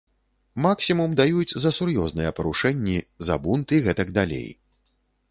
Максімум даюць за сур'ёзныя парушэнні, за бунт і гэтак далей.